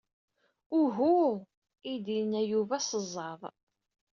Uhuuu! ay d-yenna Yuba s zzeɛḍ.